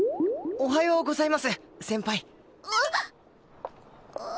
おはようございます篠崎さん。